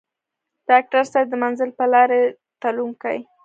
ډاکټر صېب د منزل پۀ لارې تلونکے